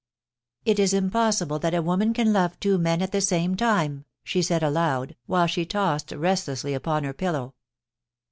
* It is impossible that a woman can love two men at the same time,' she said aloud, while she tossed restlessly upon her pillow.